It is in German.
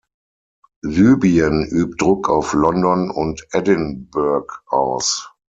Libyen übt Druck auf London und Edinburgh aus.